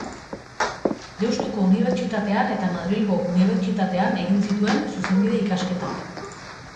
Deustuko Unibertsitatean eta Madrilgo Unibertsitatean egin zituen Zuzenbide ikasketak.